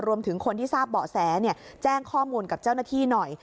รวมถึงคนที่ทราบเบาะแสแจ้งข้อมูลกับเจ้าหน้าที่หน่อย